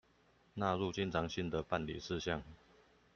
納入經常性的辦理事項